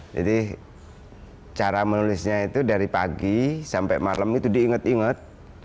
jadi cara menulisnya itu dari pagi sampai malam itu diingat ingat